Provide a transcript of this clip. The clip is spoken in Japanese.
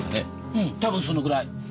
うん多分そのぐらい。